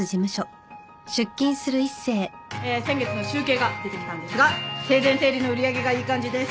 えー先月の集計が出てきたんですが生前整理の売り上げがいい感じです。